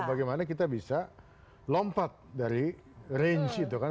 bagaimana kita bisa lompat dari range itu kan